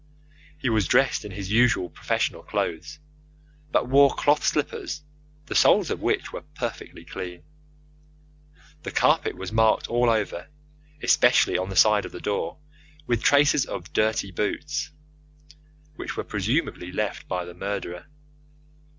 He was dressed in his usual professional clothes, but wore cloth slippers, the soles of which were perfectly clean. The carpet was marked all over, especially on the side of the door, with traces of dirty boots, which were presumably left by the murderer.